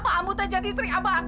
buat apa amu teh jadi serik abah